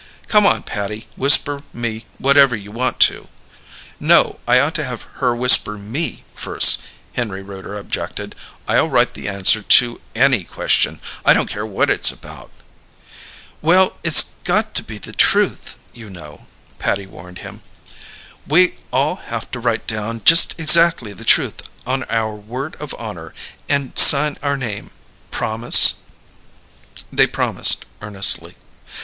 "Come on, Patty, whisper me whatever you want to." "No; I ought to have her whisper me, first," Henry Rooter objected. "I'll write the answer to any question; I don't care what it's about." "Well, it's got to be the truth, you know," Patty warned them. "We all haf to write down just exackly the truth on our word of honour and sign our name. Promise?" They promised earnestly.